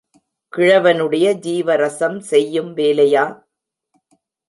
கிழவனுடைய ஜீவரசம் செய்யும் வேலையா?